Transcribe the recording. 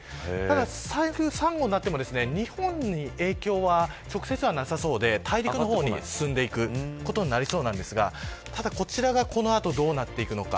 ただ、台風３号になっても日本に影響は直接はなさそうで大陸の方に進んでいくことになりそうなんですがただこちらがこの後どうなっていくのか。